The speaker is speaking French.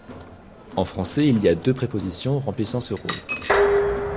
En français il y a deux prépositions remplissant ce rôle.